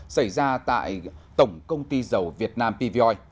xảy ra tại tổng công ty dầu việt nam pvoi